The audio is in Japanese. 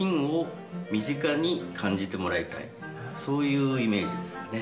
そういうイメージですかね。